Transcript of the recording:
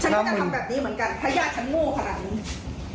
ฉันก็จะทำแบบนี้เหมือนกันถ้าญาติฉันโง่ขนาดนี้